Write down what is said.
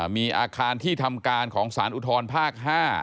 มีอาคารที่ทำการของสารอุทธรภาค๕